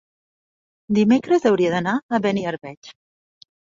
Dimecres hauria d'anar a Beniarbeig.